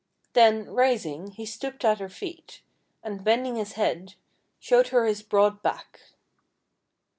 Then, rising, he stooped at her feet, and, bending his head, showed her his broad back.